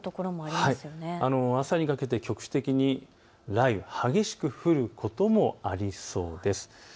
朝にかけて局地的に雷雨、激しく降ることもありそうです。